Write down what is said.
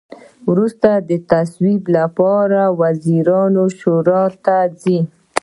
وروسته د تصویب لپاره وزیرانو شورا ته ځي.